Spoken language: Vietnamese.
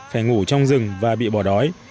phải ngủ trong rừng và bị bỏ đói